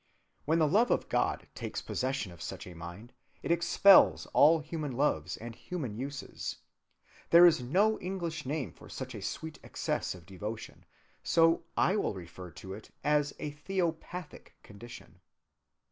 When the love of God takes possession of such a mind, it expels all human loves and human uses. There is no English name for such a sweet excess of devotion, so I will refer to it as a theopathic condition.